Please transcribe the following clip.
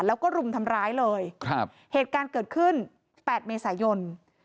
แล้วก็รุมทำร้ายเลยครับเหตุการณ์เกิดขึ้นแปดเมษายน